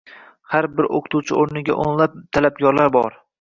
Har bir oʻqituvchi oʻrniga oʻnlab talabgorlar bor